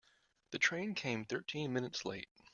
The train came thirteen minutes late.